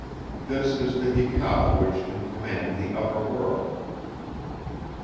This is the hekau which can command the Upper World."